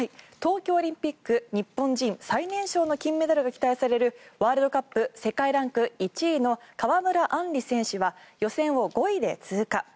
東京オリンピック日本人最年少の金メダルが期待されるワールドカップ世界ランク１位の川村あんり選手は予選を５位で通過。